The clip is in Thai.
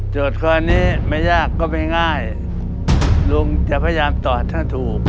ข้อนี้ไม่ยากก็ไม่ง่ายลุงจะพยายามตอบถ้าถูก